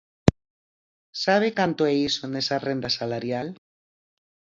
¿Sabe canto é iso nesa renda salarial?